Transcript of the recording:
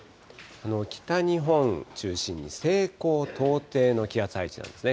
北日本中心に西高東低の気圧配置なんですね。